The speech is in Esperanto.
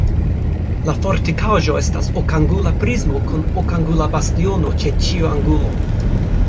La fortikaĵo estas okangula prismo kun okangula bastiono ĉe ĉiu angulo.